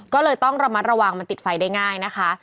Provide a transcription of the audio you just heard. ก็เลยต้องระมัดระวังมันติดไฟได้ง่ายนะคะ